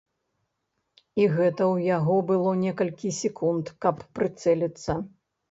І гэта ў яго было некалькі секунд, каб прыцэліцца.